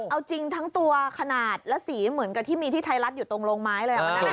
เอาจริงทั้งตัวขนาดและสีเหมือนกับที่มีที่ไทยรัฐอยู่ตรงโรงไม้เลย